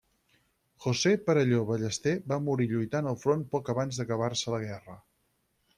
José Perelló Ballester va morir lluitant al front poc abans d'acabar-se la guerra.